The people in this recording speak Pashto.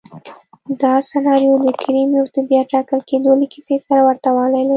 دا سناریو د کریموف د بیا ټاکل کېدو له کیسې سره ورته والی لري.